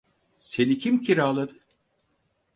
Seni kim kiraladı?